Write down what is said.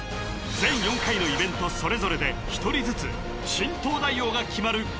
全４回のイベントそれぞれで１人ずつ新東大王が決まる